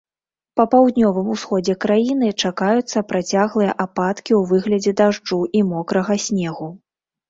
Па паўднёвым усходзе краіны чакаюцца працяглыя ападкі ў выглядзе дажджу і мокрага снегу.